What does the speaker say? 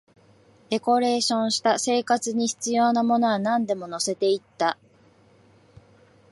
デコレーションした、生活に必要なものはなんでも乗せていった